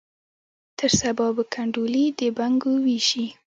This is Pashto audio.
تر سبا به کنډولي د بنګو ویشي